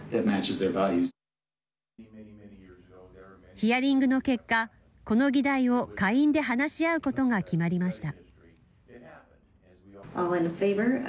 ヒアリングの結果この議題を下院で話し合うことが決まりました。